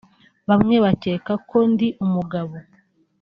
Bamwe bakeka ko ndi umugabo